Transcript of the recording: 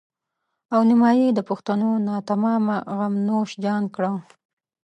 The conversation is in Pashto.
او نيمایي د پښتنو ناتمامه غم نوش جان کړه.